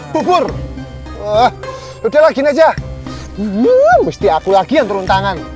bu bur udah lah gini aja mesti aku lagi yang turun tangan